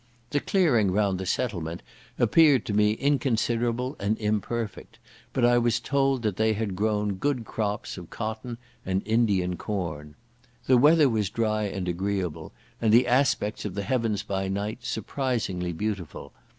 The clearing round the settlement appeared to me inconsiderable and imperfect; but I was told that they had grown good crops of cotton and Indian corn. The weather was dry and agreeable, and the aspects of the heavens by night surprisingly beautiful.